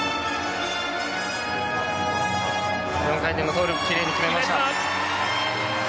４回転のトーループ、きれい決めた。